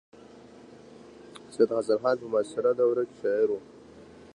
سید حسن خان په معاصره دوره کې شاعر و.